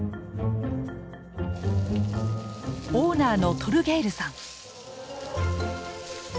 オーナーのトルゲイルさん。